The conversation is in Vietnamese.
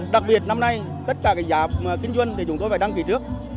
đặc biệt năm nay tất cả các giảm kinh doanh thì chúng tôi phải đăng ký trước